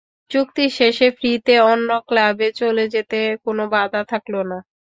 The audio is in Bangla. চুক্তি শেষে ফ্রি-তে অন্য ক্লাবে চলে যেতে কোনো বাধা থাকল না।